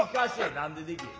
何でできへん？